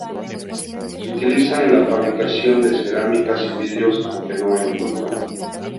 Se utiliza en la fabricación de cerámicas y vidrios, aunque no en bruto.